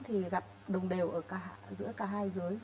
thì gặp đồng đều ở giữa cả hai giới